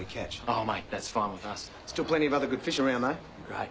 はい。